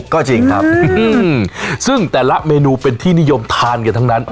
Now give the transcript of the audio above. ก็จริงครับซึ่งแต่ละเมนูเป็นที่นิยมทานกันทั้งนั้น